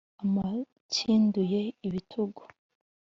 Amukinduye ibitugu,